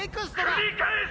繰り返す！